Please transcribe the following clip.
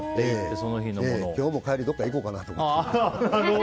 今日も帰りにどこか行こうかなと思って。